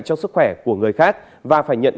cho sức khỏe của người khác và phải nhận